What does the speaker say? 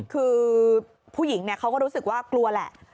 คือผู้หญิงเขาก็รู้สึกว่ากลัวแหละ